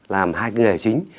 làm hai cái nghề chính